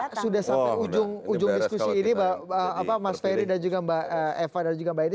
karena sudah sampai ujung ujung diskusi ini mas ferry dan juga mbak eva dan juga mbak edi